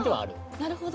なるほど。